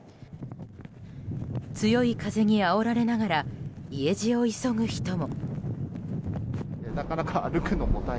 強い風にあおられながら家路を急ぐ人も。